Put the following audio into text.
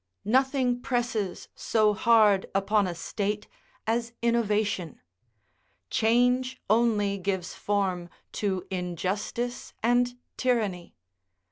Nothing presses so hard upon a state as innovation: change only gives form to injustice and tyranny.